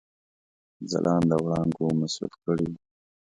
ځلانده وړانګو مصروف کړي وه.